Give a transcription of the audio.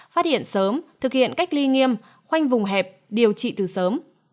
phát hiện sớm thực hiện cách ly nghiêm khoanh vùng hẹp điều trị từ sớm